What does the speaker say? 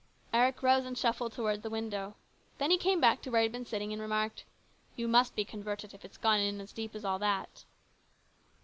Eric rose and shuffled towards the window. Then he came back to where he had been sitting and remarked, " You must be converted if it's gone in as deep as all that